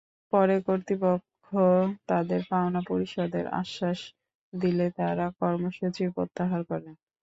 পরে কর্তৃপক্ষ তাঁদের পাওনা পরিশোধের আশ্বাস দিলে তাঁরা কর্মসূচি প্রত্যাহার করেন।